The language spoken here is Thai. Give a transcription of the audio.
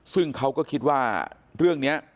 ซึ่งเขาก็คิดว่าเรื่องนี้